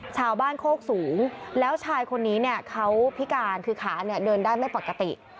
ชาวบ้านโคกสูงแล้วชายคนนี้เนี่ยเขาพิการคือขาเนี่ยเดินได้ไม่ปกติ